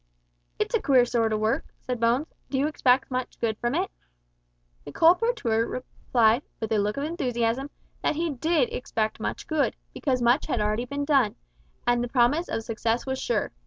"It's a queer sort o' work," said Bones. "Do you expect much good from it?" The colporteur replied, with a look of enthusiasm, that he did expect much good, because much had already been done, and the promise of success was sure.